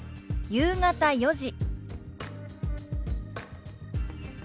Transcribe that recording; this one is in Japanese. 「夕方４時」。